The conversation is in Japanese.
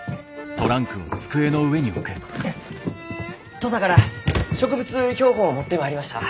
土佐から植物標本を持ってまいりました。